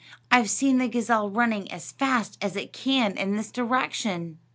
I've seen the gazelle running as fast as it can in this direction."